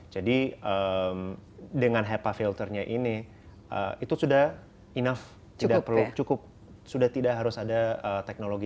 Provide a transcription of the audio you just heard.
jadi dengan hepa filternya ini itu sudah enough tidak perlu cukup sudah tidak harus ada teknologi